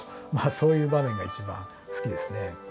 そういう場面が一番好きですね。